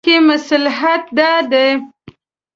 په دې کې مصلحت دا دی.